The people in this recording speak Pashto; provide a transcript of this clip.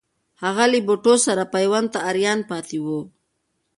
هغه له بوټو سره پیوند ته آریان پاتې وو.